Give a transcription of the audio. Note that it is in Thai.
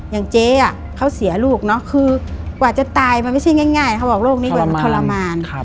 อย่างเจ๊เขาเสียลูกเนาะคือกว่าจะตายมันไม่ใช่ง่ายเขาบอกโรคนี้กว่ามันทรมาน